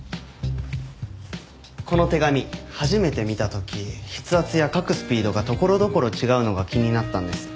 この手紙初めて見た時筆圧や書くスピードが所々違うのが気になったんです。